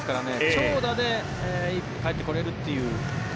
長打でかえってこれるという。